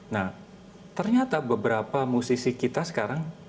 nah ternyata beberapa musisi kita sekarang